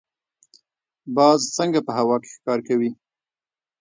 باز څنګه په هوا کې ښکار کوي؟